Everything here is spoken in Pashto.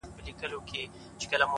د جان نریو گوتو کښلي کرښي اخلمه زه!